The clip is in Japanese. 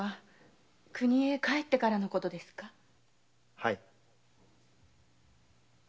はい。